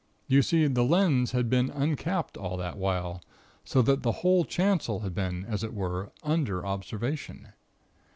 You see, the lens had been uncapped all that while, so that the whole chancel had been, as it were, under observation.